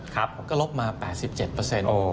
ผมก็ลบมา๘๗เปอร์เซ็นต์